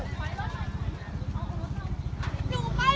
สวัสดีครับคุณพลาด